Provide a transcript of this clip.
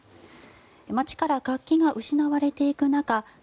街から活気が失われていく中